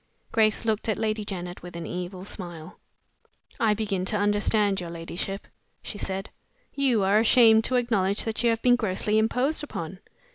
Grace looked at Lady Janet with an evil smile. "I begin to understand your ladyship," she said. "You are ashamed to acknowledge that you have been grossly imposed upon.